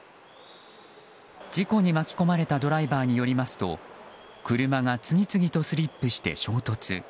事故に巻き込まれたドライバーによりますと車が次々とスリップして衝突。